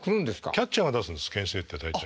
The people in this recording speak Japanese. キャッチャーが出すんですけん制って大体。